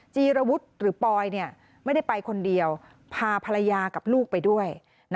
จีรวุฒิหรือปอยไม่ได้ไปคนเดียวพาภรรยากับลูกไปด้วย